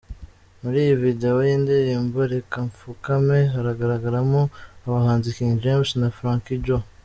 Muri iyi Video y’indirirmbo ‘Reka Mfukame’ hagaragaramo abahanzi King James na Franky Joe.